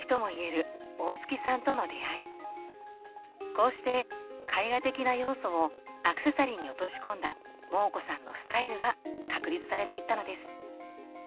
こうして絵画的な要素をアクセサリーに落とし込んだモー子さんのスタイルが確立されていったのです。